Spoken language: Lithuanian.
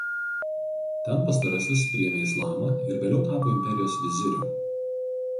Ten pastarasis priėmė islamą ir vėliau tapo imperijos viziriu.